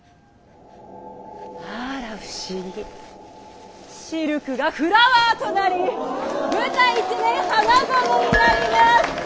あら不思議シルクがフラワーとなり舞台一面花園になります。